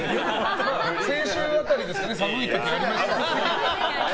先週辺りですかね寒い時ありましたよね。